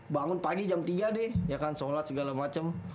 bangun pagi jam tiga deh ya kan sholat segala macem